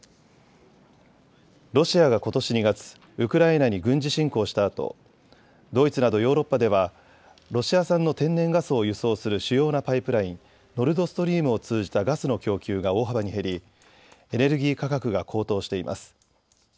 ロシアがことし２月、ウクライナに軍事侵攻したあとドイツなどヨーロッパではロシア産の天然ガスを輸送する主要なパイプライン、ノルドストリームを通じたガスの供給が大幅に減りエネルギー価格が高騰しています。